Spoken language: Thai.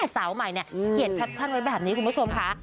สาวใหม่เนี่ยเขียนแคปชั่นไว้แบบนี้คุณผู้ชมค่ะ